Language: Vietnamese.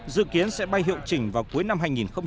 dự kiến sẽ bay hiệu chỉnh vào cuối năm hai nghìn một mươi bảy